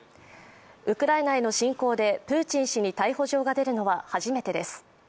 ウクライナへの侵攻でプーチン氏に逮捕状が出るのは初めてです。